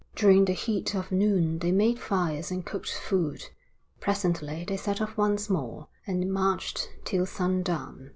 During the heat of noon they made fires and cooked food. Presently they set off once more and marched till sundown.